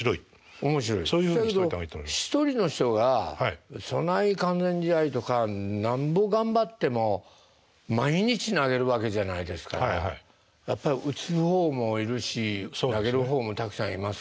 そやけど１人の人がそない完全試合とかなんぼ頑張っても毎日投げるわけじゃないですからやっぱり打つほうもいるし投げるほうもたくさんいますからね。